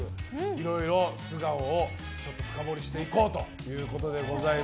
いろいろ素顔を深掘りしていこうということでございます。